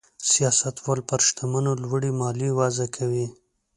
سیاستوال پر شتمنو لوړې مالیې وضع کوي.